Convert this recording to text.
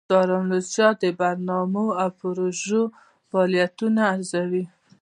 دارالانشا د برنامو او پروژو فعالیتونه ارزوي.